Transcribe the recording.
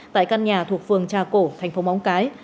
tại căn nhà thuộc phường trà cổ thành phố móng cái